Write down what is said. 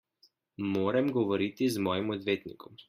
Morem govoriti z mojim odvetnikom.